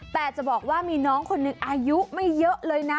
แต่จะบอกว่ามีน้องคนหนึ่งอายุไม่เยอะเลยนะ